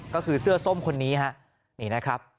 ก็คือเสื้อส้มคนนี้นะครับ